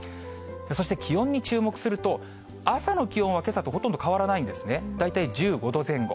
そして、気温に注目すると、朝の気温はけさとほとんど変わらないんですね、大体１５度前後。